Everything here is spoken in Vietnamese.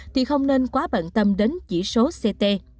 thì không nên quá bận tâm đến chỉ số ct